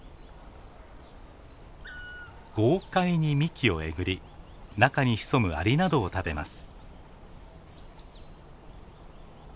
豪快に幹をえぐり中に潜むアリなどを食べます。